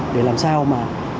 để làm sao mà